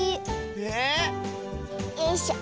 えっよいしょ。